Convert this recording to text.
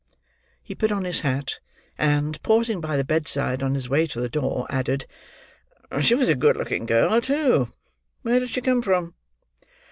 He put on his hat, and, pausing by the bed side on his way to the door, added, "She was a good looking girl, too; where did she come from?"